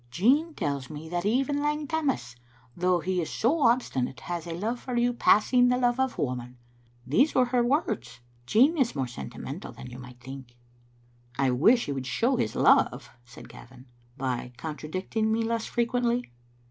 Jean tells me that even Lang Digitized by VjOOQ IC m tSbc Xfttto Ainl0ter* Tammas, though he is so obstinate, has a love for yon passing the love of woman. These were her words, Jean is more sentimental than you might think." "I wish he would show his love," said Gavin, "by contradicting me less frequently."